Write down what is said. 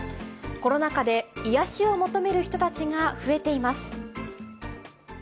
コロナ禍で癒やしを求める人たちが増えています。